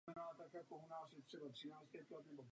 Goldstoneova zpráva je velmi důležitá.